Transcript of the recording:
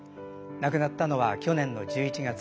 亡くなったのは去年の１１月。